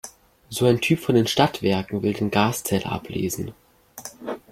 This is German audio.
So ein Typ von den Stadtwerken will den Gaszähler ablesen.